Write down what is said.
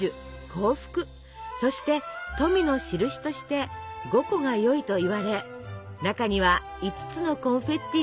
幸福そして富のしるしとして５個がよいといわれ中には５つのコンフェッティが入っています。